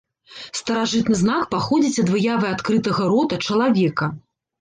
Старажытны знак паходзіць ад выявы адкрытага рота чалавека.